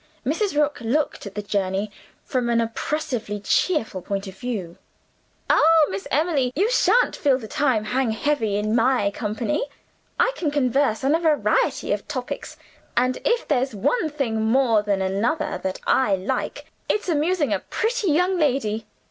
Mrs. Rook looked at the journey from an oppressively cheerful point of view. "Oh, Miss Emily, you shan't feel the time hang heavy in my company. I can converse on a variety of topics, and if there is one thing more than another that I like, it's amusing a pretty young lady.